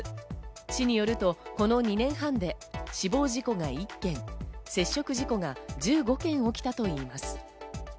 市によると、この２年半で死亡事故が１件、接触事故が１５件起きたといいます。